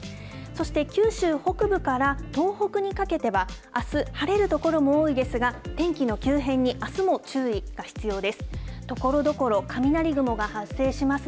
そして、九州北部から東北にかけては、あす、晴れる所も多いですが、天気の急変に、あすも注意が必要です。